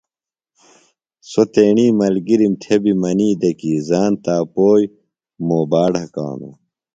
سوۡ تیݨی ملگِرِم تھےۡ بیۡ منی دےۡ کی زان تاپوئیۡ موبا ڈھکانُوۡ۔